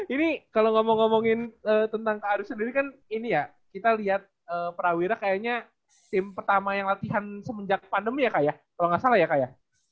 ini kalau ngomong ngomongin tentang kak ari sendiri kan ini ya kita lihat prawira kayaknya tim pertama yang latihan semenjak pandemi ya kak ya kalau nggak salah ya kak ya